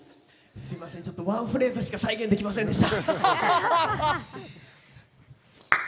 すいません、ちょっとワンフレーズしか再現できませんでした。